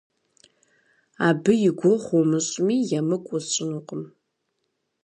Абы и гугъу умыщӏми, емыкӏу усщӏынукъым.